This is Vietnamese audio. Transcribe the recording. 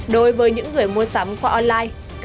đối với những người mua sắm qua online